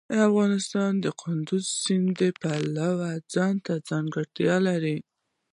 افغانستان د کندز سیند د پلوه ځانته ځانګړتیا لري.